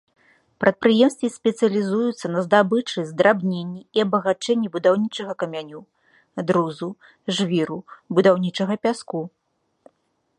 Прадпрыемствы спецыялізуюцца на здабычы, здрабненні і абагачэнні будаўнічага каменю, друзу, жвіру, будаўнічага пяску.